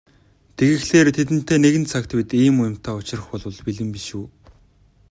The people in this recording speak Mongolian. Тэгэхлээр тэдэнтэй нэгэн цагт бид ийм юмтай учрах болбол бэлэн биш үү?